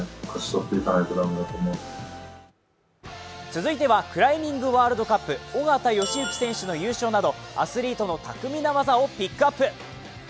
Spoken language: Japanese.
続いてはクライミングワールドカップ緒方良行選手の優勝などアスリートの巧みな技をピックアップ。